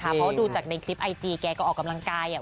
เพราะว่าดูจากในคลิปไอจีแกก็ออกกำลังกาย